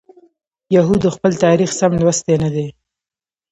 یهودو خپل تاریخ سم لوستی نه دی.